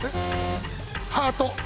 ハート。